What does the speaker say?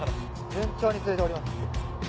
順調に釣れております。